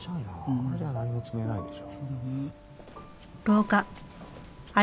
あれじゃあ何も積めないでしょ。